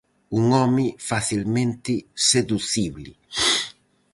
Un home facilmente seducible.